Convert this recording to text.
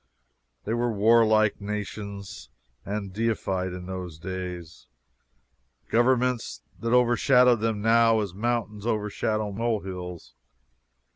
They were warlike little nations and defied, in those days, governments that overshadow them now as mountains overshadow molehills.